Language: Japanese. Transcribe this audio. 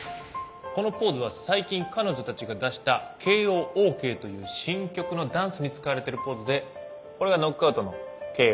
このポーズは最近彼女たちが出した「ＫＯ／ＯＫ」という新曲のダンスに使われているポーズでこれがノックアウトのＫＯ